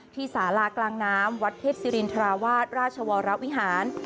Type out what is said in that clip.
สาลากลางน้ำวัดเทพศิรินทราวาสราชวรวิหาร